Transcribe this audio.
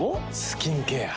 スキンケア。